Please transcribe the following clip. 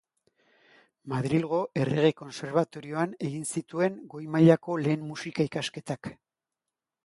Madrilgo Errege Kontserbatorioan egin zituen goi mailako lehen musika ikasketak.